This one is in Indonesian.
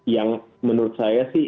yang menurut saya sih